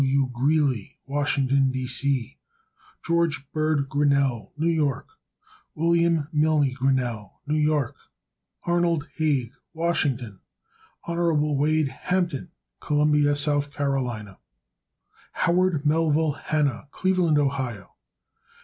W. Greely, Washington, D. C. Geo. Bird Grinnell, New York. Wm. Milne Grinnell, New York. Arnold Hague, Washington, D. C. Hon. Wade Hampton, Columbia, S. C. Howard Melville Hanna, Cleveland, Ohio.